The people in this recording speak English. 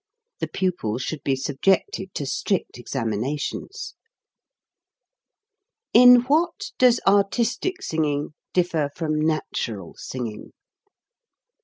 The pupil should be subjected to strict examinations. In what does artistic singing differ from natural singing?